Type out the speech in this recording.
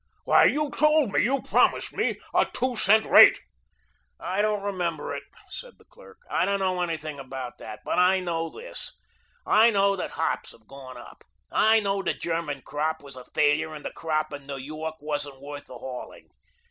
Why, you told me you promised me a two cent rate." "I don't remember it," said the clerk. "I don't know anything about that. But I know this; I know that hops have gone up. I know the German crop was a failure and that the crop in New York wasn't worth the hauling.